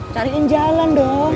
cariin jalan dong